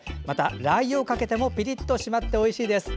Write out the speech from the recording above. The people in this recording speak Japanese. ラーユをかけてもピリッと締まっておいしいですよ。